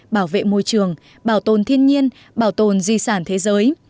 bảo vệ môi trường bảo tồn thiên nhiên bảo tồn di sản thế giới